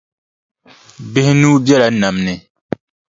Bihi nuu bela nam ni.